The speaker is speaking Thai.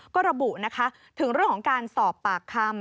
ก็ระบุนะคะถึงเรื่องของการสอบปากคำ